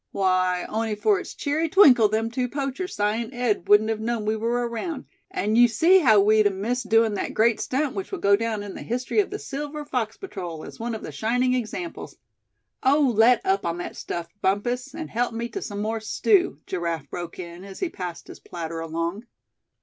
"Why, on'y for its cheery twinkle them two poachers, Si and Ed, wouldn't have known we were around; and you see how we'd have missed doin' that great stunt which will go down in the history of the Silver Fox Patrol as one of the shining examples " "Oh! let up on that stuff, Bumpus, and help me to some more stew," Giraffe broke in, as he passed his platter along.